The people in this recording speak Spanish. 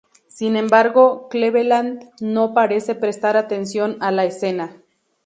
Sin embargo, Cleveland no parece prestar atención a la escena.